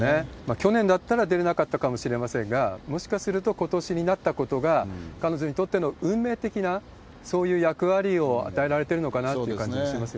去年だったら出れなかったかもしれませんが、もしかすると、ことしになったことが、彼女にとっての運命的な、そういう役割を与えられてるのかなという感じがしますよね。